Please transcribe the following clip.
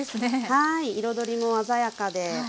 はい彩りも鮮やかで。